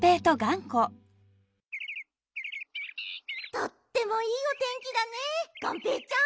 とってもいいおてんきだねがんぺーちゃん。